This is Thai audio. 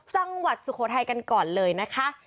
จังหวัดสุโขทัยกันก่อนเลยนะคะ